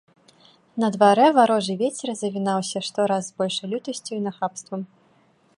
На дварэ варожы вецер завінаўся штораз з большай лютасцю і нахабствам.